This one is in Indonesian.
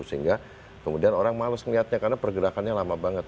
sehingga kemudian orang males melihatnya karena pergerakannya lama banget